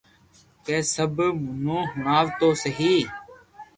ڪني سب منو ھڻوتو سھي